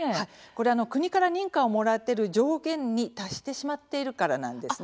これは国から認可をもらっている上限に達してしまっているからなんです。